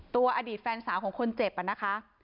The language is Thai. อดีตแฟนสาวของคนเจ็บนะคะ